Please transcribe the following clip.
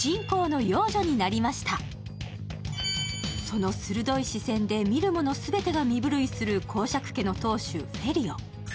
その鋭い視線で見る者すべてが身震いする公爵家の当主・フェリオ。